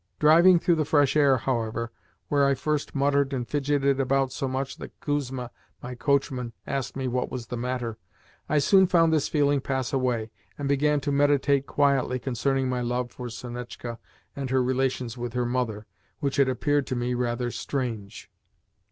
Driving through the fresh air, however where at first I muttered and fidgeted about so much that Kuzma, my coachman, asked me what was the matter I soon found this feeling pass away, and began to meditate quietly concerning my love for Sonetchka and her relations with her mother, which had appeared to me rather strange.